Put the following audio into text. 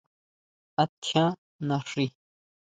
¿A tjián naxi?